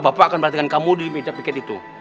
bapak akan perhatikan kamu di media piket itu